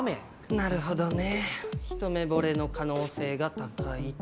なるほどね一目惚れの可能性が高いと。